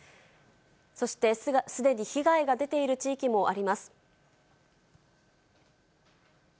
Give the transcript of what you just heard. そしてすでに被害が出ている地域もあります。